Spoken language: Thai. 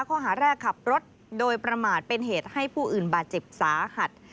ข้อหาแรกขับรถโดยประมาทเป็นเหตุให้ผู้อื่นบาดเจ็บสาหัส